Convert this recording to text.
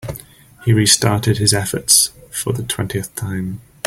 He restarted his efforts for the twentieth time.